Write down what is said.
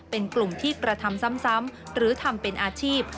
เป็นกลุ่มที่กระทำซ้ำหรือทำเป็นอาชีพ